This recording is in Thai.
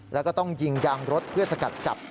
แล้วก็ต้องยิงยางรถเพื่อสกัดจับ